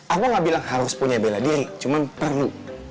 aku gak bilang harus punya bela diri cuma perlu